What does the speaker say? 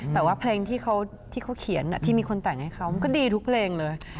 แต่ว่าเพลงที่เขาเขียนที่มีคนแต่งให้เขาก็ดีทุกเพลงเลย